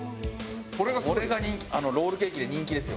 ロールケーキで人気ですよね。